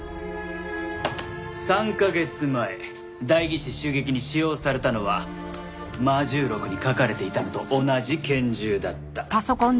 ３カ月前代議士襲撃に使用されたのは『魔銃録』に書かれていたのと同じ拳銃だった。